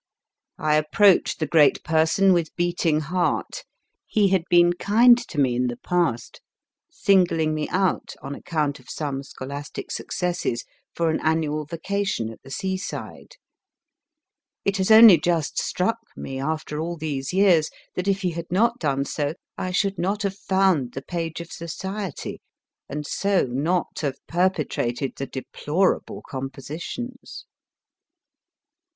I approached the great person with beating heart. He had been kind to me in the past, singling me out, on account of some scholastic successes, for an annual vacation at the seaside. It has only just struck me, after all these years, that, if he had not done so, I should not have found the page of Society, and so not have perpetrated the deplorable com positions.